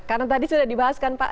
karena tadi sudah dibahas kan pak